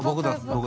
僕だ。